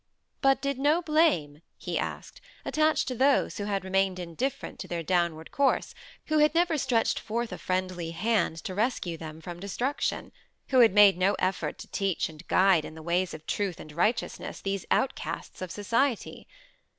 But did no blame, he asked, attach to those who had remained indifferent to their downward course; who had never stretched forth a friendly hand to rescue them from destruction; who had made no effort to teach and guide in the ways of truth and righteousness these outcasts of society?